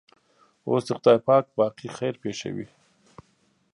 اوس دې خدای پاک باقي خیر پېښوي.